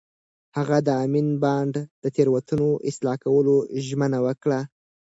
هغه د امین بانډ د تېروتنو اصلاح کولو ژمنه وکړه.